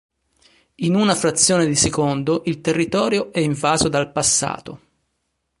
In una frazione di secondo il territorio è invaso dal passato.